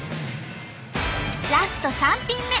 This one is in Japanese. ラスト３品目